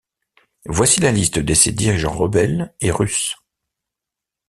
Voici la liste de ces dirigeants rebelles et russes.